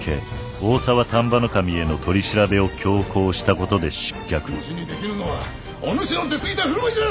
大沢丹波守への取り調べを強行したことで失脚お主の出過ぎた振る舞いじゃ！